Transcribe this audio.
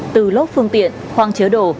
từ lốc phương tiện khoang chế đổ